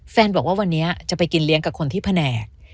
บอกว่าวันนี้จะไปกินเลี้ยงกับคนที่แผนก